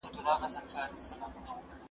زه اوږده وخت لاس پرېولم وم!؟